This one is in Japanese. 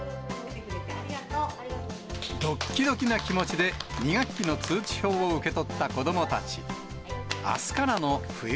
どっきどきな気持ちで２学期の通知表を受け取った子どもたち。